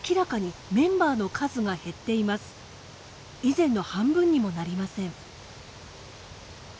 以前の半分にもなりません。